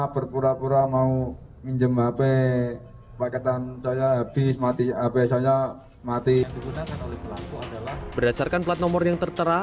berdasarkan plat nomor yang tertera